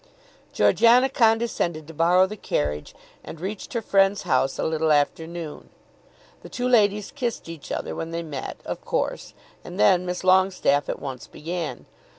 Georgiana condescended to borrow the carriage and reached her friend's house a little after noon. The two ladies kissed each other when they met of course, and then Miss Longestaffe at once began.